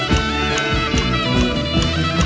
กลับไปที่นี่